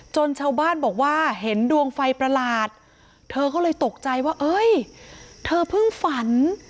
ชาวบ้านบอกว่าเห็นดวงไฟประหลาดเธอก็เลยตกใจว่าเอ้ยเธอเพิ่งฝัน